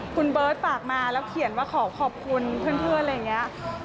คุณเบิร์ตฝากมาแล้วเขียนว่าขอขอบคุณเพื่อนอะไรอย่างนี้